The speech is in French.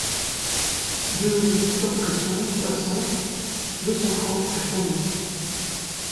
deux rue Victor Presson, soixante, deux cent trente à Chambly